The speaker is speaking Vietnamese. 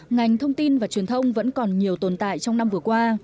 ngành thông tin và truyền thông vẫn còn nhiều tồn tại trong năm vừa qua